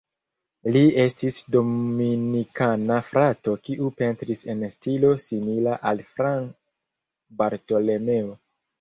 Li estis Dominikana frato kiu pentris en stilo simila al Fra Bartolomeo.